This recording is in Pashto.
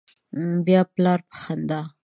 بیا پلار په خندا